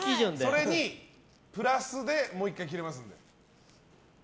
それにプラスでもう１回切れますので。